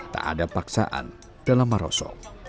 tak ada paksaan dalam maroso